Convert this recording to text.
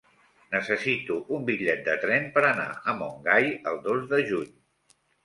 Necessito un bitllet de tren per anar a Montgai el dos de juny.